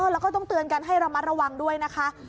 แล้วก็ต้องเตือนกันให้ระมัดระวังด้วยนะคะ